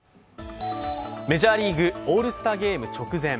メジャーリーグ、オールスターゲーム直前。